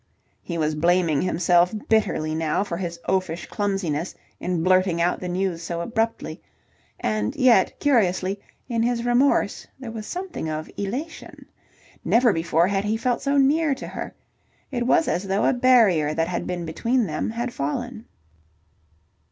He was blaming himself bitterly now for his oafish clumsiness in blurting out the news so abruptly. And yet, curiously, in his remorse there was something of elation. Never before had he felt so near to her. It was as though a barrier that had been between them had fallen.